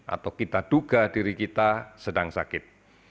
atau kita duga diri kita sedang sakit